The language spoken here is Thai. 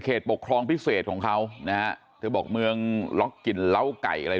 ปกครองพิเศษของเขานะฮะเธอบอกเมืองล็อกกลิ่นเหล้าไก่อะไร